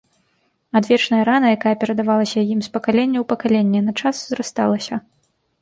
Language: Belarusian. Адвечная рана, якая перадавалася ім з пакалення ў пакаленне, на час зрасталася.